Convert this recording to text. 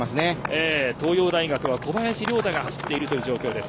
東洋大学は小林亮太が走っている状態です。